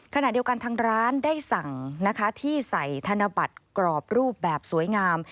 ขณะเดียวกันทางร้านได้สั่งนะคะที่ใส่ธนบัตรกรอบรูปแบบสวยงาม